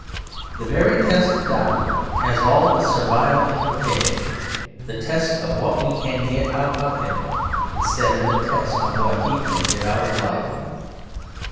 The very test adopted has all the servile implication; the test of what we can get out of him, instead of the test of what he can get out of life.